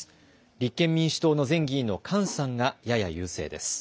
立憲民主党の前議員の菅さんがやや優勢です。